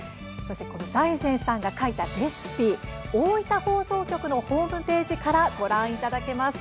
財前さんが書いたレシピは大分放送局のホームページからご覧いただけます。